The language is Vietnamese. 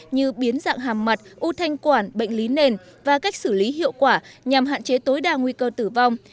như biến dạng hàm mặt ưu thanh quản bệnh lý nền và cách xử lý hiệu quả nhằm hạn chế tối đa nguy cơ tử vong